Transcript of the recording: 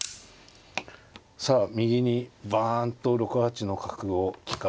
さあ右にバンと６八の角を利かして。